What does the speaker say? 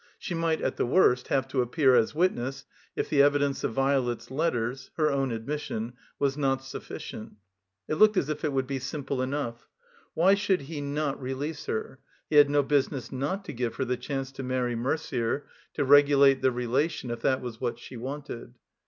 She might — ^at the worst — ^have to appear as witness, if the evidence of Violet's letters (her own admission) was not sufficient. It looked as if it woxdd be simple enough. Why shotild he not re 30; THE COMBINED MAZE lease her? He had no business not to give her the chance to many Mercier, to regulate the relation, if that was what she wanted.